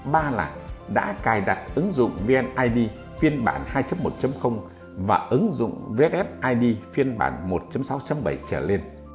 ba là đã cài đặt ứng dụng vnid phiên bản hai một và ứng dụng vssid phiên bản một sáu bảy trở lên